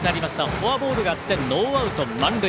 フォアボールがあってノーアウト満塁。